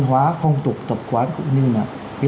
tục công tục tập quán cũng như là cái